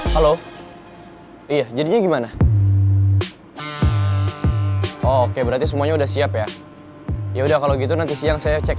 halo iya jadinya gimana oke berarti semuanya udah siap ya yaudah kalau gitu nanti siang saya cek